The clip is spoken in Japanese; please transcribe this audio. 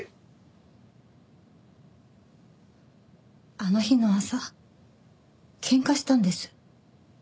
あの日の朝喧嘩したんです。